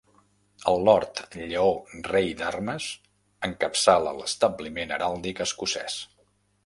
El Lord Lleó Rei d'Armes encapçala l'establiment heràldic escocès.